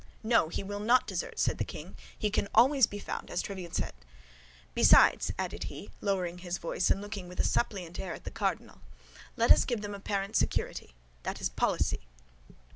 "No, he will not desert," said the king; "he can always be found, as Tréville says. Besides," added he, lowering his voice and looking with a suppliant air at the cardinal, "let us give them apparent security; that is policy."